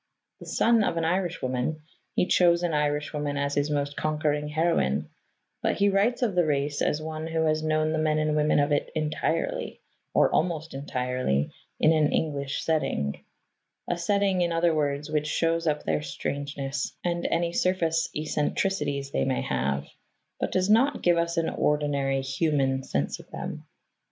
The son of an Irishwoman, he chose an Irishwoman as his most conquering heroine, but he writes of the race as one who has known the men and women of it entirely, or almost entirely, in an English setting a setting, in other words, which shows up their strangeness and any surface eccentricities they may have, but does not give us an ordinary human sense of them.